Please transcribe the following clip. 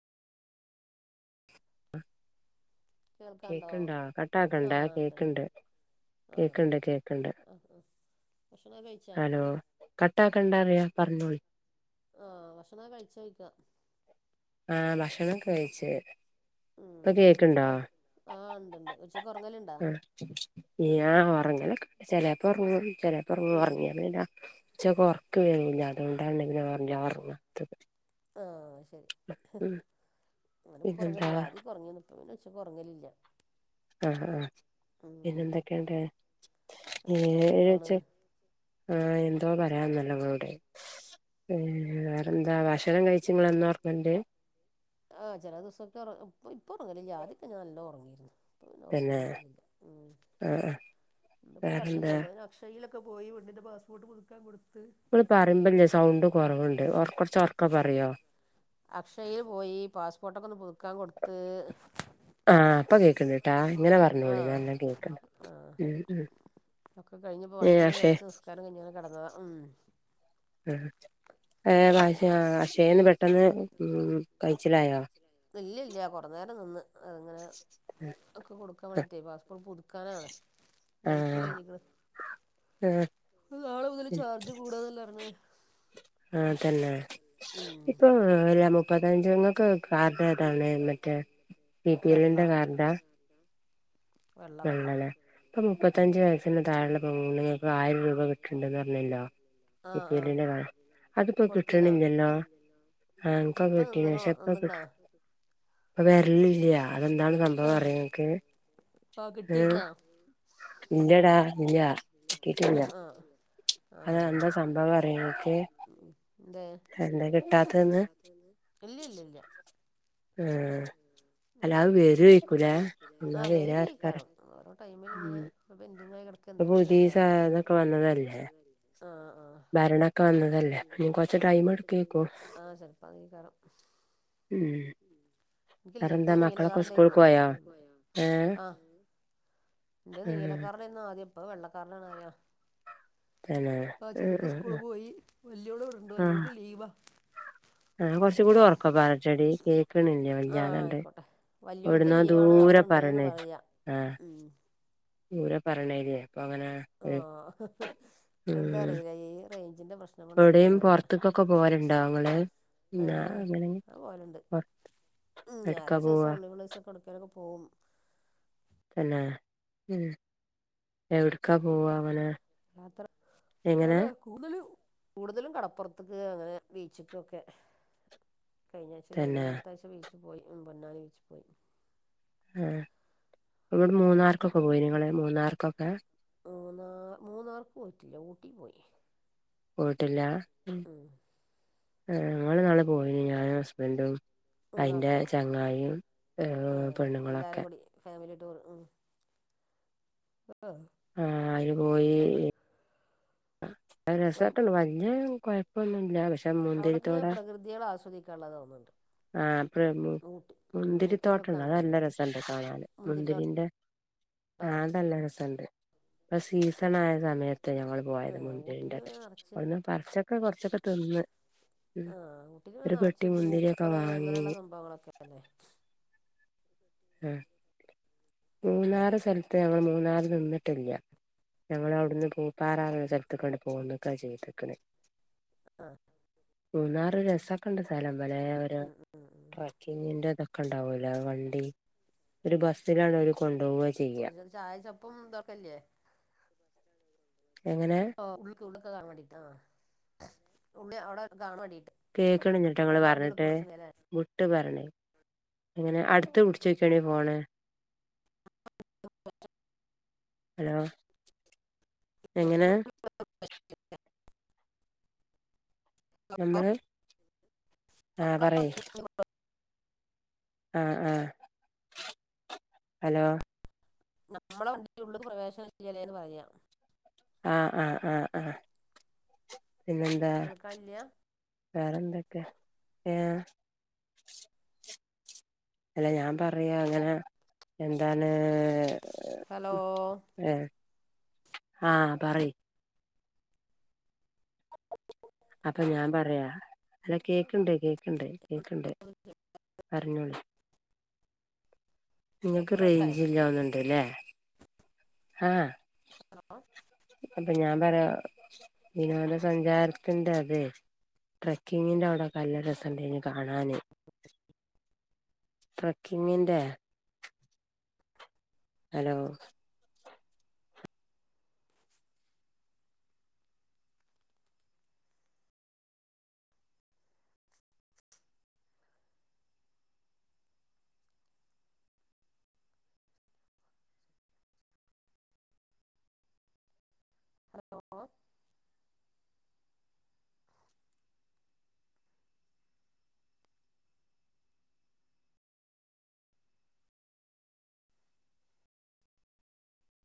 കേൾക്കാണ്ടോ കേക്കണ്ടാ ആ കട്ടാക്കണ്ടേ ഉണ്ട്ണ്ട് കേക്കണ്ട് ആ കേക്ക്ണ്ട് കേക്കണ്ട് ആ ആ ഭക്ഷണം കഴിച്ചാ ഹലോ കട്ടാക്കണ്ടാന്ന് യാ പറഞ്ഞോളി ആ ഭക്ഷണ കഴിച്ചോയ്ക്ക ആ ഭക്ഷണം ഒക്കഴിച്ച് ഉം ഉച്ചക്കോ ആ ഉണ്ട [unintelligible] ഇങ്ങനൊക്കെ ചേലെപ്പം ഒറങ്ങു ചിലപ്പൊറങ് ഉം ഉറങ്ങിയല്ല ഇച്ചൊക്കെ ഓർക്ക് വരൂല്ല അതുകൊണ്ടാണ [unintelligible] ഒറങ്ങാത്തത് ആ ശരി ഉം ഇവിടെ പിന്നെന്താ പ്പൊറങ്ങില്ല ആദ്യക്കേ [unintelligible] പിന്നേച്ചക്കൊർങ്ങലില്ല്യ ആ ആ പിന്നെന്തൊക്കെണ്ട് ഏ എന്താ അസുഖാണ് ഏഴച്ച് ആ എന്തോ പറയാന്ന്ല്ലോങ്ങളോട് വേറെന്താ ഭക്ഷണം കഴിച്ചുങ്ങളെന്നും ഒർങ്ങ്ണ്ട് ആ ചെല ദിവസൊക്കെറ ഇ ഇപ്പൊ ഉറങ്ങലില്ല ആദ്യക്ക ഞാ നല്ല ഉറങ്ങു ഇപ്പ പിന്നെ തന്നെ ഒറക്കൊന്നും വരുന്നില്ല ഉം ആഹ് ആഹ് ഇന്നിപ്പോ കടന്നിട്ട് വേറെന്താ [unintelligible] ക്ക പോയി വെണ്ണിന്റെ പാസ്പോർട്ട് പുതുക്കാൻ [unintelligible] ഇള് പറയുമ്പല്ലേ സൗണ്ട് കൊറവുണ്ട് ഒർകൊറച്ച് ഒർക്ക പറയോ അക്ഷയെ പോയി പാസ്പോർട്ടൊക്കൊന്ന് പുതുക്കാൻ കൊടുത്ത് ആഹ പ്പൊ കേക്കണ്ട് ട്ടാ ഇങ്ങനെ പറഞ്ഞോളി ആഹ് നല്ലാം കേൾക്കണ്ട് ആഹ് ഉം ഉം ഒക്കെ കഴിഞ്ഞ്പ്പോ ഏഹ് ഭക്ഷണം അക്ഷേ കഴിച്ച് നിസ്കാരം കയ്ഞ്ഞ് കെടന്നതാ ഉം ഏ അങ്ങനെ അക്ഷയേന്ന് പെട്ടെന്ന് ഉം കയ്ച്ചിലായോ ഇല്ലല്ല്യ കൊറ നേരം നിന്ന് അങ്ങനെ ഒക്കെ കൊടുക്കാൻ വേണ്ടീട്ടേ പാസ്പോർട്ട് പുതുക്കാനാണ് ആഹ് ഡേറ്റ് ആഹ് കഴിഞ്ഞ്ക്ണ് നാളെ മുതല് ചാർജ് കൂടാന്നല്ലേറിഞ്ഞേ ആ തന്നെ ഉം ഇപ്പൊ മുപ്പത്തഞ്ച്ങ്ങക്ക് പി വെള്ള എല്ലിന്റെ കാർഡാ വെള്ള വെള്ള വെള്ളല്ലേ ഇപ്പൊ മുപ്പത്തഞ്ച് വയസിന്റെ താഴെള്ള പെണ്ണുങ്ങൾക്ക് ആയിരം രൂപ കിട്ട്ണ്ടെന്ന് റഞ്ഞല്ലോ ആഹ് ആഹ് [unintelligible] അത്പ്പോ കൊടുത്തീന്നാ കിട്ട്ണ്ല്ല്യല്ലോ ആ ഇൻക്കൊക്കെ ഇപ്പം കിട്ടീനി നിന്ന്ക്ക്ണോ ക്ഷെ ഇപ്പം കിട്ട നിന്ന്ക്ക്ണാ പ്പൊ വരലില്ല്യ അതെന്താണ് സംഭവംന്ന് അറിയോങ്ങക്ക് ആഹ് ആ കിട്ടിയിരുന്നാ ഇല്ലടാ ഇല്ല കിട്ടിട്ടില്ല ആഹ് അത് ആഹ് എന്താ സംഭവം അറിയോങ്ങക്ക് എന്തെ [inaudible] ഇല്ലില്ല്യ ആഹ് അല്ല അത് വരുവായിരിക്കൂലേ എന്നാ ആ, വേര് വരാ കഴിക്കാരം, ആർക്കറിയാ ഓരോ ടൈമി, ഉം ലിങ്ങനെ, പെന്റിങ്, ആയി, കിടക്ക ഇപ്പൊ എന്ത പുതിയ ഉപയോഗ സാ ഇതൊക്കെ വന്നതല്ലേ ആ ഭരണൊക്കെ വന്നതല്ലേ ഇനി കൊറച്ച് ടൈം എടുക്കേക്കും ആ, ചെൽപ്പ, അതെകറ ഉം എനിക്കില്ല എന്റെ വേറെന്താ മക്കളൊക്കെ സ്കൂൾക്ക് നീലകാർണ്ടായിരുന്നോ പോയോ ഏഹ് ആഹ് എന്റെ ആഹ് നീലക്കാരുടെന്ന ആദ്യം ഇപ്പ വെള്ളക്കാാരടെ ആണ ആ തന്നെ ആ, ചെറുത ആഹ് സ്കൂള്, ആഹ് പോയി, വയോള്, ഇവിടുണ്ട്, ആഹ് വല്ലിയോൾക്ക് ലീവാ ആഹ് കൊറച്ചും കൂടി ഒറക്കെ പറയെടീ കേക്കണില്ല ആഹ വല്ലാതണ്ട് ആയിക്കോട്ടെ വലിയൊളക്ക് എവിടുന്നോ ലീവാണ് അവള ദൂരെ പറയണ ഇണ്ട്ന്ന് പറയാ ഉം ദൂരം പറയണേ നെ ആ ആഹ് എന്താ ഉം അറിയില യെ എവിടെയും പോറത്തേക്കൊക്കെ പോരുണ്ടോ അങ്ങളെ ആ ഏഹ് അത് പോവലുണ്ട് അങ്ങനപുറത്ത് ഉം ഞായാഴ് ദിവം ഓൺലൈൻ ക്ലാസ്സ്‌ ഒക്കെ എടുക്കാനൊക്കെ പോകും എന്ന എവിടക്കാ പോവാ അവന ഇക്കത്ര എങ്ങനെ അതാ കൂടുതലും കൂടുതലും കടപ്പുറത്തക്ക് അങ്ങനെ ബീച്ചുക്കൊക്കെ കഴിഞ്ഞ ആഴ് അതിന് തന്നെ വേലത്താഴ്ച്ച ബീച്ചു പോയി പൊന്നാനി വീച്ചു പോയി ആ ഇവിടെ അങ്ങനെ എവിടേലൊക്കെ മൂന്നാർക്കൊക്കെ ആയിട്ട് പോയി അങ്ങനെ നിങ്ങള് പോകും മൂന്നാർക്കൊക്കെ മൂന്നാ മൂന്നാർക്ക് പോയിട്ടില്ല ഊട്ടി പോയി പോട്ടില്ല ഉം ഞങ്ങ നാളെ പോയി ഞാനും ഹസ്ബൻറും അതിന്റെ മൂന്നാർക്കോ ചങ്ങായിയും ഏർ പെണ്ണുങ്ങളൊക്കെ ആ ആ അര് പോയി രസമായിട്ടുണ്ട് വല്ല്യ കൊഴപ്പൊന്നു മില്ല പക്ഷെ അവിടക്ക മുന്തിരിത്തോട പ്രകൃതികള ആസ്വദിക്കാനുള്ളതോന്നുന്നുണ്ട് ആഹ അപ്പ മുന്തിരി ഊട്ടിയിലൊക്കെ തോട്ടുണ്ട് അത അങ്ങനെയാണ് നല്ല രസുണ്ട് കാണാന് മുന്തിരിത്തോട്ടോ മുന്തിരീന്റെ ആ് അതല്ല രസുണ്ട് ഇപ്പൊ സീസണ ആയ സമയത്ത് ഞങ്ങള്ൾ പോയത് ഊട്ടിയിൽ മുന്തിരിന്റെ പിന്നെ നിറച്ച് ഒവിടുന്ന് പറിച്ച ഒക്കെ കുറച്ചൊക്കെ തിന്ന്ന്ന് ആഹഊട്ടി ക്ക് നിറച്ച് മുന്തിരിയൊക്കെ പൂക്കള് വാങ്ങി അങ്ങനെയുള്ള സംഭവങ്ങളൊക്കെ അല്ലെ ആഹ ഏ, മൂന്നാറ് സ്ഥലത്ത് ഞങ്ങൾ മൂന്നാറ് നിന്നിട്ടില്ല ഞങ്ങ അവിടുന്ന് പൂ പാറ എന്ന സ്ഥലത്ത് ക്കാണ് പോകുന്നുക്ക ചെയ്തക്കണേ ആഹ് മൂന്നാറ്, രസൊക്കെണ്ട്, സ്ഥലം, വളരെ, ഒരു, ഉം ഉം ട്രക്കിങ്ങിന്റെ, തൊക്കെ ണ്ടാവൂല വണ്ടി ഒരു ബസ്സിലാാണ് ഒരു കൊണ്ട് ഒരു ചായ ചപ്പും ഇതൊക്കല്ലേ എങ്ങനെ ഉ ഉള്ളൊക്കെ കാണാ വേണ്ടിട്ട് ആ ഉള്ള അവിടെ കാണാ വേണ്ടിട്ട് കേക്കണില്ല നിങ്ങൾ നമ്മടെ വണ്ടികൾക്ക് പറഞ്ഞിട്ട് പ്രശ്നല്ലേ മുട്ട് വരണ് അങ്ങനെ അടുത്ത് പിടിച്ചോക്കണ ഫോണ് ഹലോ എങ്ങനെ നമ്മള് ആഹ് പറയ് ആഹ് ആ ഹ് ഹലോ നമ്മളെ വണ്ടിള്ള പ്രവേശം ഇില്ലല്ലേന്ന് പറയാ ആഹ് ആഹ് ആഹ് പിന്നെെന്താ കേൾക്കാനില്ല വേറെന്തൊക്കെ ഏ അല്ല ഞാൻ പറയാ അങ്ങനെ എന്താണ് ഹലോ ഏഹ് ആഹ് പറ അപ്പൊ ഞാൻ പറയാ അല്ല കേക്കുണ്ട് കേക്കുണ്ട് കേക്കുണ്ട് അറിഞ്ഞോളി നിങ്ങക്ക് എവിടെ റേഞ്ച് ഇല്ലാവുന്നുണ്ട്ല്ലേ? ആഹ ഹലോ ഞാൻ പറയാ വിനോദ സഞ്ചാരത്തിന്റെ അതെ? ട്രക്കിങ്ങിന്റെ അവിടെ കല്ല രസംണ്ട് കാണാനാന്. ട്രക്കിങ്ങിന്റെ ഹലോ ഹലോ?